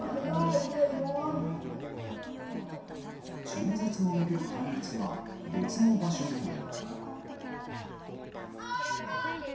中絶を巡る対立は、別の場所でも。